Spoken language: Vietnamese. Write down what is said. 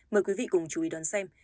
mời quý vị cùng chú ý đón xem